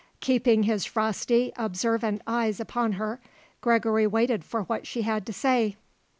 Keeping his frosty, observant eyes upon her, Gregory waited for what she had to say.